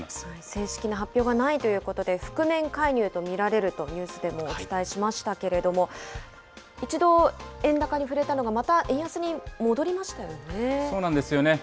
正式な発表がないということで、覆面介入と見られるとニュースでもお伝えしましたけれども、一度円高に振れたのが、また円安そうなんですよね。